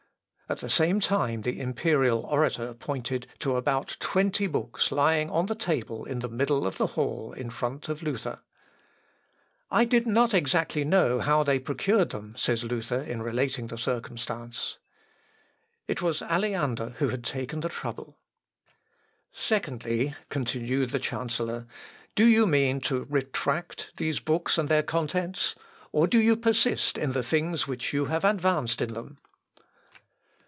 At the same time the imperial orator pointed to about twenty books lying on the table in the middle of the hall in front of Luther "I did not exactly know how they had procured them," says Luther, in relating the circumstance. It was Aleander who had taken the trouble. "Secondly," continued the chancellor, "do you mean to retract these books and their contents, or do you persist in the things which you have advanced in them?"